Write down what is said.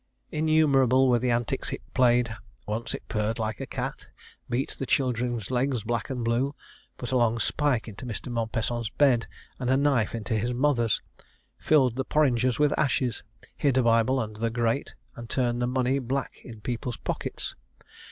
Innumerable were the antics it played. Once it purred like a cat; beat the children's legs black and blue; put a long spike into Mr. Mompesson's bed, and a knife into his mother's; filled the porringers with ashes; hid a Bible under the grate; and turned the money black in people's pockets.